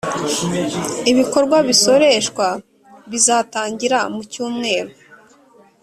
ibikorwa bisoreshwa bizatangira mu cyumweru